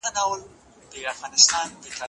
زه بايد زده کړه وکړم؟